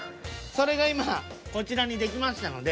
それが今こちらに出来ましたので。